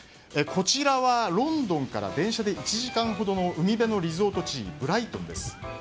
こちらはロンドンから電車で１時間ほどの海辺のリゾート地ブライトンです。